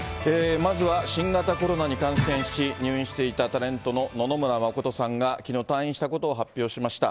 まずは新型コロナに感染し、入院していたタレントの野々村真さんがきのう退院したことを発表しました。